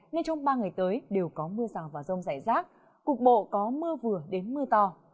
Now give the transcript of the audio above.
nên trong ba ngày tới đều có mưa rào và rông rải rác cục bộ có mưa vừa đến mưa to